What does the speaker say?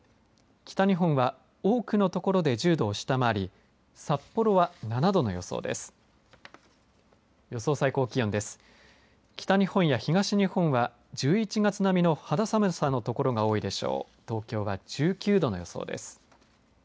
北日本は多くの所で１０度を下回り札幌は７度の予想です。